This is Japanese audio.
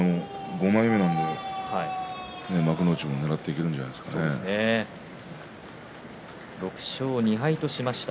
５枚目なので、幕内もねらって６勝２敗としました